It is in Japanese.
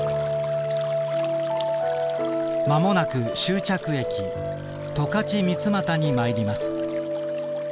「間もなく終着駅十勝三股に参ります。